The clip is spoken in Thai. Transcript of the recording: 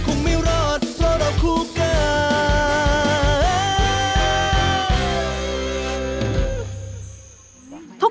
ใครไม่รู้ด้วย